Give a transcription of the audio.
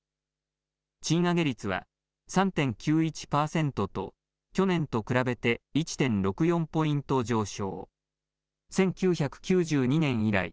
賃上げ率は３．９１％と、去年と比べて１．６４ポイント上昇。